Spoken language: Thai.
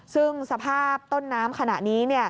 ซึ่งสภาพต้นน้ำขณะนี้